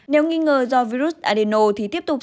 nếu nghi ngờ do virus adeno thì tiếp tục